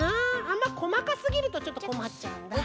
あんまこまかすぎるとちょっとこまっちゃうんだ。